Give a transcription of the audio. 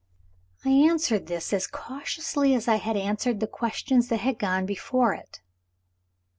I answered this as cautiously as I had answered the questions that had gone before it.